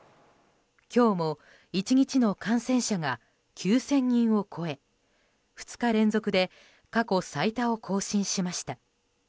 今日も１日の感染者が９０００人を超え２日連続で過去最多を更新しました。